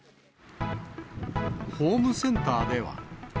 ホームセンターでは。